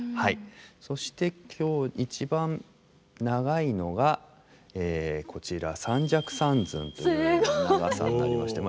そして今日一番長いのがこちら三尺三寸という長さになりまして。